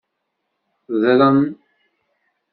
Ḍren.